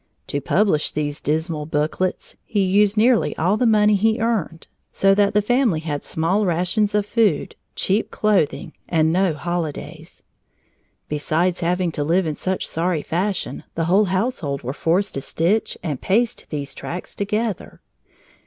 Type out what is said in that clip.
To publish these dismal booklets, he used nearly all the money he earned, so that the family had small rations of food, cheap clothing, and no holidays. Besides having to live in such sorry fashion, the whole household were forced to stitch and paste these tracts together.